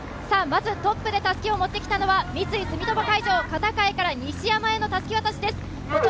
まずトップでたすきを持ってきたのは三井住友海上、片貝から西山へのたすき渡しです。